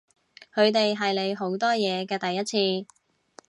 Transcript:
佢哋係你好多嘢嘅第一次